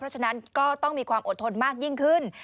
เพราะฉะนั้นก็ต้องมีความอดทนมากยิ่งขึ้น